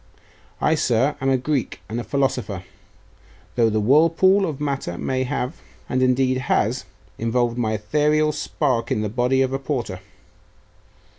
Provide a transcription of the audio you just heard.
I, sir, am a Greek and a philosopher; though the whirlpool of matter may have, and indeed has, involved my ethereal spark in the body of a porter.